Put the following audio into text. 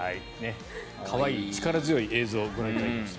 可愛い力強い映像をご覧いただきました。